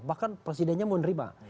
bahkan presidennya mau menerima